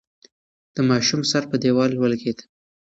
د ماشوم سر په دېوال ولگېد.